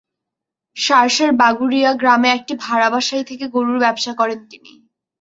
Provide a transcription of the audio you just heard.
শার্শার বাগুড়িয়া গ্রামে একটি ভাড়া বাসায় থেকে গরুর ব্যবসা করেন তিনি।